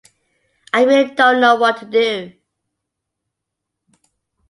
I really don't know what to do.